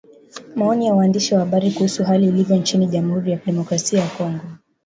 Maoni ya waandishi wa habari kuhusu hali ilivyo nchini Jamhuri ya kidemokrasia ya Kongo